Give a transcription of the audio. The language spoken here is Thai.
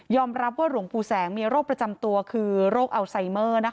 รับว่าหลวงปู่แสงมีโรคประจำตัวคือโรคอัลไซเมอร์